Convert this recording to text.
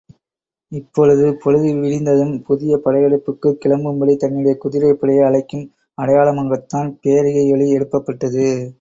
இப்பொழுது, பொழுது விடிந்ததும் புதிய படையெடுப்புக்குக் கிளம்பும்படி தன்னுடைய குதிரைப் படையை அழைக்கும் அடையாளமாகத்தான் பேரிகையொலி எழுப்பப்பட்டது.